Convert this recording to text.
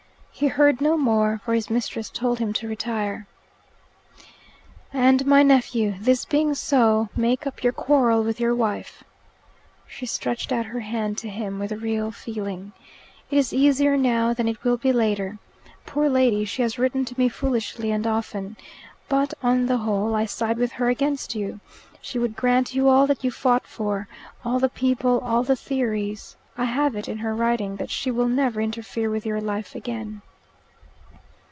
He heard no more, for his mistress told him to retire. "And my nephew, this being so, make up your quarrel with your wife." She stretched out her hand to him with real feeling. "It is easier now than it will be later. Poor lady, she has written to me foolishly and often, but, on the whole, I side with her against you. She would grant you all that you fought for all the people, all the theories. I have it, in her writing, that she will never interfere with your life again."